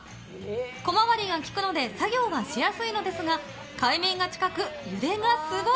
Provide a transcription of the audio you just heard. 小回りがきくので作業がしやすいのですが海面が近く、揺れがすごい。